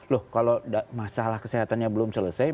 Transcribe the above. loh kalau masalah kesehatannya belum selesai